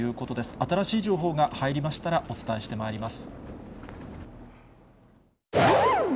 新しい情報が入りましたらお伝えしてまいります。